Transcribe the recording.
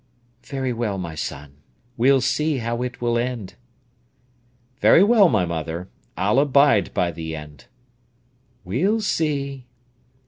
"Very well, my son. We'll see how it will end." "Very well, my mother. I'll abide by the end." "We'll see!"